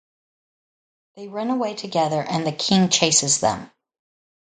They run away together and the king chases them.